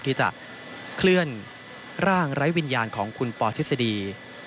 ที่จะเคลื่อนร่างไร้วิญญาณของคุณปอทฤษฎี